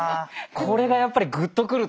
これがやっぱりグッと来るというか。